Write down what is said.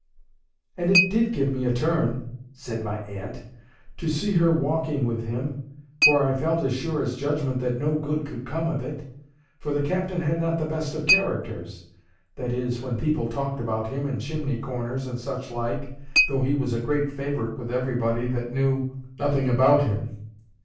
—'And it did give me a turn,' said my aunt, 'to see her walking with him, for I felt as sure as judgment that no good could come of it. For the captain had not the best of characters—that is, when people talked about him in chimney corners, and such like, though he was a great favourite with everybody that knew nothing about him.